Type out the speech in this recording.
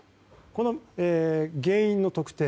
この原因の特定